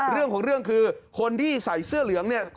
เรื่องของเรื่องคือคนที่ใส่เสื้อเหลืองเนี่ย